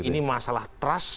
ini masalah trust